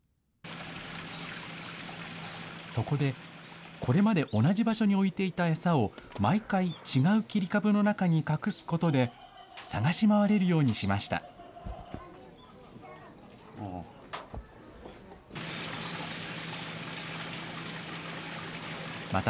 そこで、これまで同じ場所に置いていた餌を毎回、違う切り株の中に隠すことで、探し回れるようにしました。